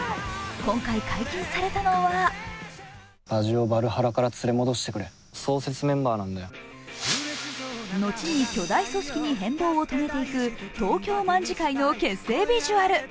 今回解禁されたのは後に巨大組織に変貌を遂げていく東京卍會の結成ビジュアル。